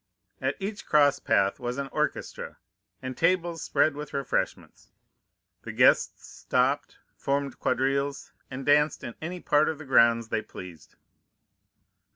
At each cross path was an orchestra, and tables spread with refreshments; the guests stopped, formed quadrilles, and danced in any part of the grounds they pleased.